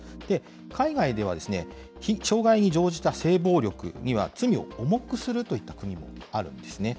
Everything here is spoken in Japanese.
海外では、障害に乗じた性暴力には罪を重くするといった国もあるんですね。